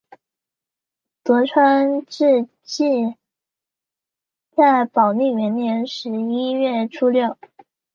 德川治济在宝历元年十一月初六。